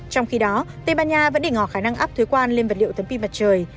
trong khi đó tây ban nha vẫn để ngỏ khả năng áp thuế quan lên vật liệu tấm pin mặt trời